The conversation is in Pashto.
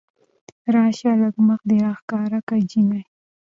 راشه لږ مخ دې راښکاره که جينۍ